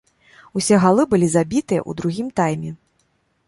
Усе галы былі забітыя ў другім тайме.